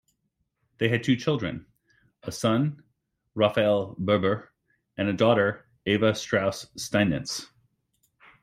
They had two children: a son, Rafael Buber and a daughter, Eva Strauss-Steinitz.